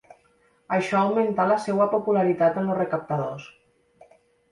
Això ha augmentat la seva popularitat amb els recaptadors.